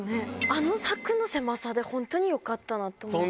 あの柵の狭さで、本当によかったなと思って。